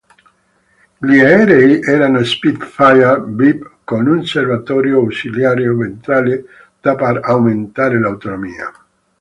Gli aerei erano Spitfire Vb con un serbatoio ausiliario ventrale da per aumentare l'autonomia.